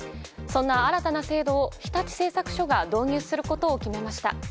そんな新たな制度を日立製作所が導入することを決めました。